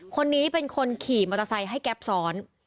คนนี้เป็นคนขี่มอเตอร์ไซค์ให้แก๊ปซ้อน